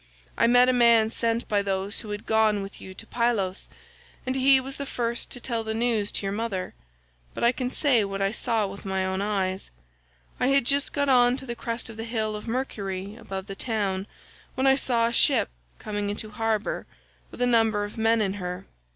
I met a man sent by those who had gone with you to Pylos, and he was the first to tell the news to your mother, but I can say what I saw with my own eyes; I had just got on to the crest of the hill of Mercury above the town when I saw a ship coming into harbour with a number of men in her.